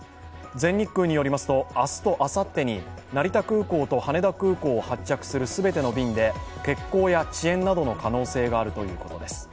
全日空によりますと、明日とあさってに成田空港と羽田空港を発着する全ての便で欠航や遅延などの可能性があるということです。